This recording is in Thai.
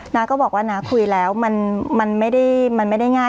น้าก็บอกว่าน้าคุยแล้วมันมันไม่ได้มันไม่ได้ง่าย